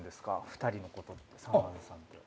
２人のことってさまぁずさんって。